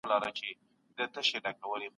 پر زلخوږو به یې زموږ غوښي پلورلای